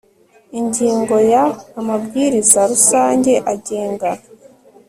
Ingingo ya Amabwiriza rusange agenga